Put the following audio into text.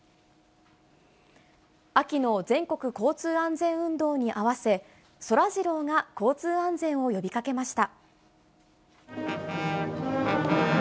秋の全国交通安全運動に合わせ、そらジローが交通安全を呼びかけました。